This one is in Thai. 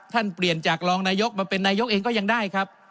เปลี่ยนจากรองนายกมาเป็นนายกเองก็ยังได้ครับ